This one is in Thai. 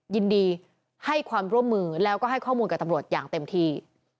ยินดีให้ความร่วมมือแล้วก็ให้ข้อมูลกับตำรวจอย่างเต็มที่